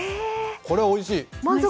これ、おいしい！